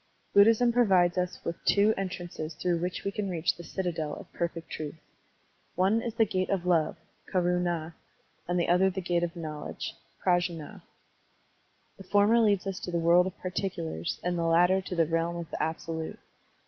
♦♦♦ Buddhism provides us with two entmnces through which we can reach the citadel of perfect truth. One is the gate of love (karund) and the other the gate of knowledge (prajnd). The former leads us to the world of particulars and the latter to the realm of the absolute.